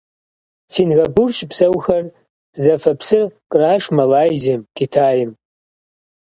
Сингапур щыпсэухэр зэфэ псыр къраш Малайзием, Китайм.